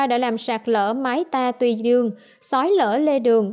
đã làm sạt lỡ mái ta tuy dương sói lỡ lê đường